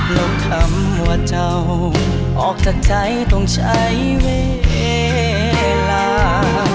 ลงคำว่าเจ้าออกจากใจต้องใช้เวลา